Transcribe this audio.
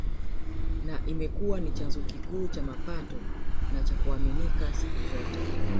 Na imekuwa ni chanzo kikuu cha mapato na cha kuaminika siku zote